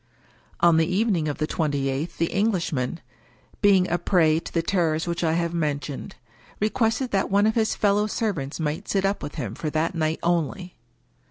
On the evening of the twenty eighth the Englishman, being a prey to the terrors which I have mentioned, re quested that one of his fellow servants might sit up with him for that night only.